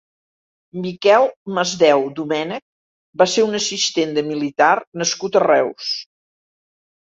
Miquel Masdeu Domènech va ser un assistent de militar nascut a Reus.